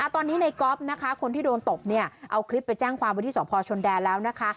ตอนนี้ในก๊อฟนะคะคนที่โดนตบเอาคลิปไปแจ้งความว่าที่สพชนแดนแล้วนะคะ